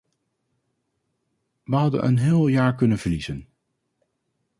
We hadden een heel jaar kunnen verliezen!